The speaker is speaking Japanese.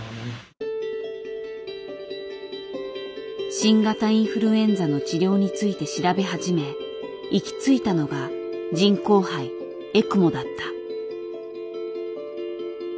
新型インフルエンザの治療について調べ始め行き着いたのが人工肺エクモだった。